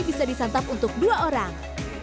bisa disantap untuk dua orang